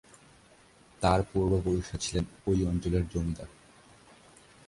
তার পূর্বপুরুষরা ছিলেন ঐ অঞ্চলের জমিদার।